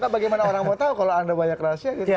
bagaimana orang mau tahu kalau anda banyak rahasia gitu